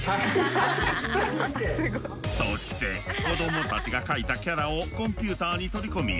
そして子供たちが描いたキャラをコンピューターに取り込み